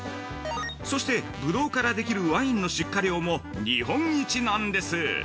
そして、ぶどうからできるワインの出荷量も日本一なんです。